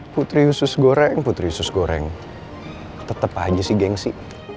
putri yusus goreng putri yusus goreng tetep aja sih gengsi